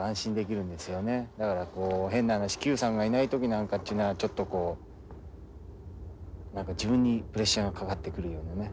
だから変な話キューさんがいない時なんかはちょっとこう自分にプレッシャーがかかってくるような。